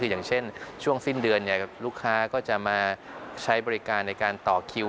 อย่างเช่นช่วงสิ้นเดือนลูกค้าก็จะมาใช้บริการในการต่อคิว